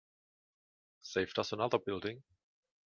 Saved us another building.